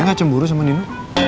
saya gak cemburu sama nino